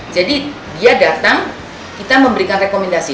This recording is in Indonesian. jadi dia datang kita memberikan rekomendasi